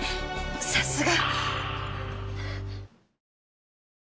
さすが！